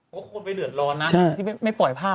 โอ้โฮโคตรไปเหลือดร้อนนะที่ไม่ปล่อยภาพ